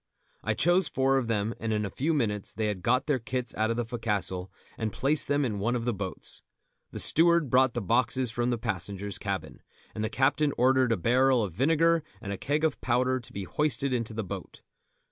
I chose four of them, and in a few minutes they had got their kits out of the fo'castle and placed them in one of the boats. The steward brought the boxes from the passengers' cabin, and the captain ordered a barrel of vinegar and a keg of powder to be hoisted into the boat.